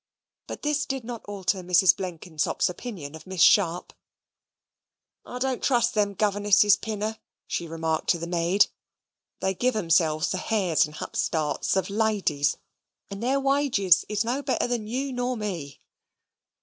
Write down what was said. But this did not alter Mrs. Blenkinsop's opinion of Miss Sharp. "I don't trust them governesses, Pinner," she remarked to the maid. "They give themselves the hairs and hupstarts of ladies, and their wages is no better than you nor me."